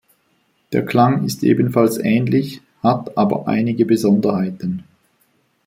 Der Klang ist ebenfalls ähnlich, hat aber einige Besonderheiten.